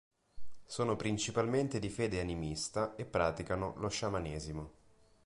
Sono principalmente di fede animista e praticano lo sciamanesimo.